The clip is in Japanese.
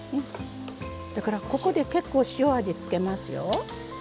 だからここで結構塩味つけますよ。